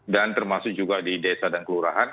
dan termasuk juga di desa dan kelurahan